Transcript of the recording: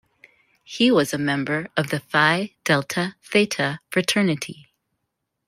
He was a member of the Phi Delta Theta Fraternity.